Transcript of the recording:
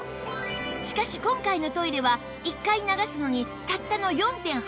しかし今回のトイレは１回流すのにたったの ４．８ リットル